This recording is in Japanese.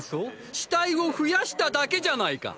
死体を増やしただけじゃないかっ！